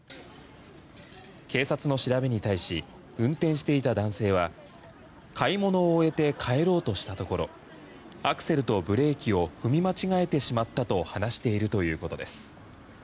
警察の調べに対し運転していた男性は買い物を終えて帰ろうとしたところアクセルとブレーキを踏み間違えてしまったと話しているということです。